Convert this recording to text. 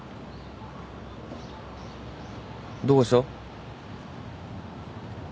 どうかした？